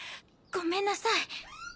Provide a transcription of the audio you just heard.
ごめんなさい。